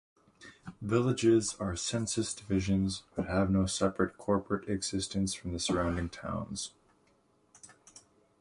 Villages are census divisions, but have no separate corporate existence from the surrounding towns.